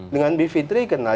dengan bivitri kenal